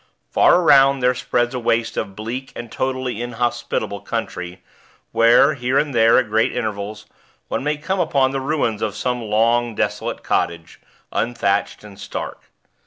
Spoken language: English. Far around there spreads a waste of bleak and totally inhospitable country; where, here and there at great intervals, one may come upon the ruins of some long desolate cottage unthatched and stark.